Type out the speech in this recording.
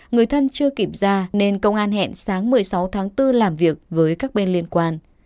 người thân chưa kịp ra nên công an hẹn sáng một mươi sáu tháng bốn làm việc với các bên liên quan